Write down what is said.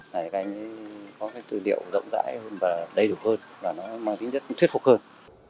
để các anh ấy có cái tư liệu rộng rãi hơn và đầy đủ hơn và nó mang tính chất thuyết phục hơn